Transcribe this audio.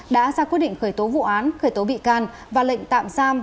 đã ra quyết định khởi tố vụ án khởi tố bị can và lệnh tạm giam